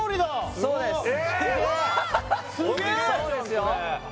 そうですよ